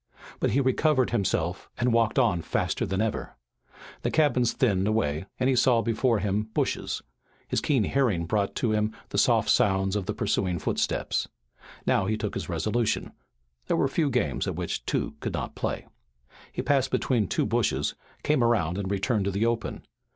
But he recovered himself and walked on faster than ever. The cabins thinned away, and he saw before him bushes. His keen hearing brought to him the soft sound of the pursuing footsteps. Now he took his resolution. There were few games at which two could not play. He passed between two bushes, came around and returned to the open.